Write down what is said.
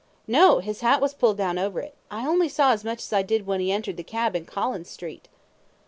A. No; his hat was pulled down over it. I only saw as much as I did when he entered the cab in Collins Street.